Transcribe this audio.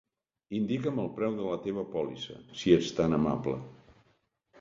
Indica'm el preu de la teva pòlissa, si ets tan amable.